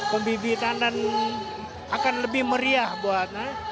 pembibitan dan akan lebih meriah buat